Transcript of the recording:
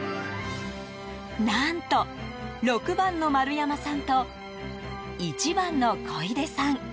何と、６番の丸山さんと１番の小出さん